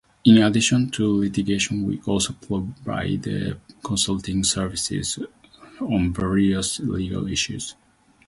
In addition to litigation, we also provide consulting services on various legal issues.